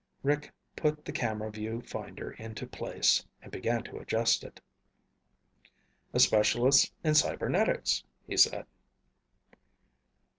Rick put the camera view finder into place and began to adjust it. "A specialist in cybernetics," he said.